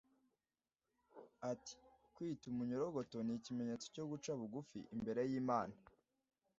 Ati “Kwiyita umunyorogoto ni ikimenyetso cyo guca bugufi imbere y’Imana